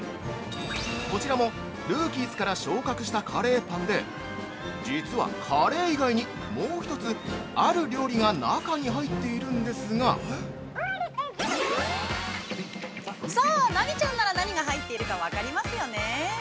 こちらもルーキーズから昇格したカレーパンで実はカレー以外にもう一つある料理が中に入っているんですが◆さあ、なぎちゃんなら何が入っているか分かりますよね。